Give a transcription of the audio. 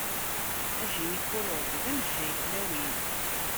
Ajinikulog d amejjay n tlawin.